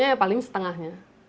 kalau lagi paling setengahnya